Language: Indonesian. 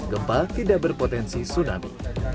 gempa tidak berpotensi tsunami